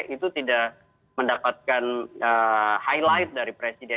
itu tidak mendapatkan highlight dari presiden